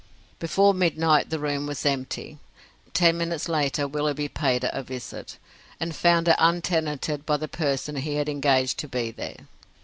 Before midnight the room was empty. Ten minutes later Willoughby paid it a visit, and found it untenanted by the person he had engaged to be there.